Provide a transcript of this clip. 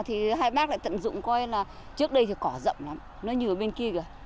thì hai bác lại tận dụng coi là trước đây thì cỏ rậm lắm nó như ở bên kia rồi